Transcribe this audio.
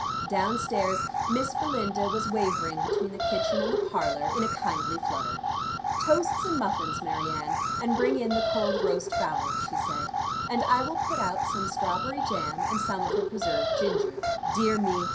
Down stairs, Miss Belinda was wavering between the kitchen and the parlor, in a kindly flutter. "Toast some muffins, Mary Anne, and bring in the cold roast fowl," she said. "And I will put out some strawberry jam, and some of the preserved ginger. Dear me!